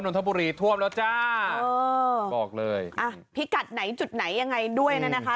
นทบุรีท่วมแล้วจ้าเออบอกเลยอ่ะพิกัดไหนจุดไหนยังไงด้วยน่ะนะคะ